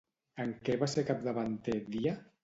En què va ser capdavanter Dia?